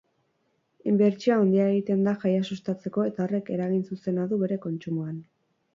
Inbertsio handia egiten da jaia sustatzeko eta horrek eragin zuzena du bere kontsumoan.